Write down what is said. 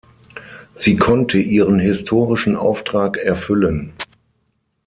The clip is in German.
Sie konnte ihren historischen Auftrag erfüllen.